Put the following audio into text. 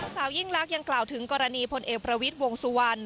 สาวยิ่งลักษยังกล่าวถึงกรณีพลไอประวิษฐ์วงศวรรศ์